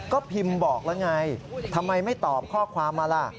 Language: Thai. ก็พิมพ์บอกแล้วไงทำไมไม่ตอบข้อความมาล่ะ